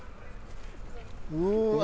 うわ